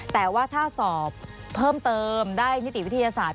แต่ว่าถ้าสอบเพิ่มเติมได้นิติวิทยาศาสตร์